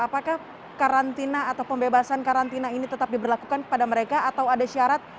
apakah karantina atau pembebasan karantina ini tetap diberlakukan kepada mereka atau ada syarat